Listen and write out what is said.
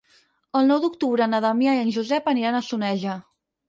El nou d'octubre na Damià i en Josep aniran a Soneja.